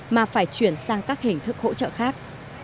mà phải chuyển sang các hình thức hỗ trợ khác